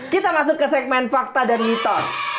kita masuk ke segmen fakta dan mitos